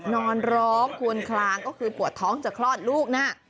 นอนร้องควนคลางก็คือปวดท้องจะคลอดลูกนะ